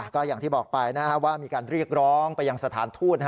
ก็อย่างที่บอกไปว่ามีการเรียกร้องไปยังสถานทูต